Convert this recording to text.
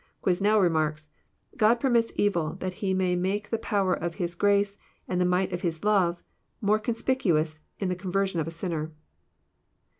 '' Quesnel remarks :*< God permits evil, that He may make the power of His grace and the might of His love more conspicuous in the conversion of a sinner."